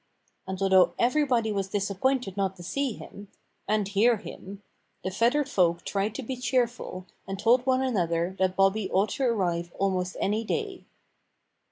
And although everybody was disappointed not to see him and hear him the feathered folk tried to be cheerful and told one another that Bobby ought to arrive almost any day.